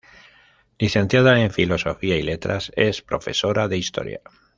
Licenciada en Filosofía y Letras, es profesora de Historia.